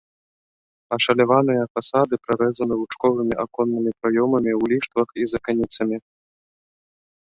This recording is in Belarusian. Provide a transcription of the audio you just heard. Ашаляваныя фасады прарэзаны лучковымі аконнымі праёмамі ў ліштвах і з аканіцамі.